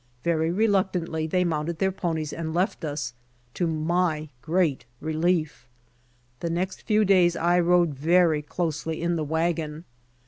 Very reluctantly they mounted their ponies and left us, to my great relief. The next few days I rode very closely in the wagon.